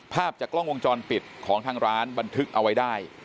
ภาพจากกล้องวงจรปิดของทางร้านบันทึกเอาไว้ได้